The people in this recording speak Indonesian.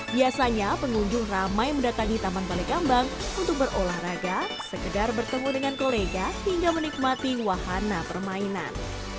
biasanya pengunjung ramai mendatangi taman balai gambang untuk berolahraga sekedar bertemu dengan kolega hingga menikmati wahana permainan